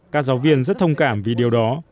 các giáo viên rất thông cảm vì điều đó